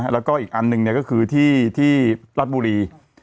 แล้วก็อีกอันหนึ่งก็คือที่รัฐบุรี